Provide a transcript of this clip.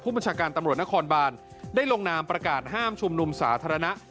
ประชาการตำรวจนครบานได้ลงนามประกาศห้ามชุมนุมสาธารณะ